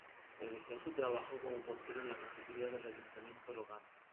Regresó a su trabajo como portero en la cafetería del ayuntamiento local.